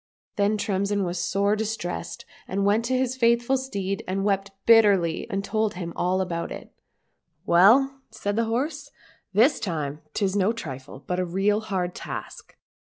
— Then Tremsin was sore distressed, and went to his faithful steed and wept bitterly, and told him all about jit. " Well," said the horse, " this time 'tis no trifle, but a real hard task.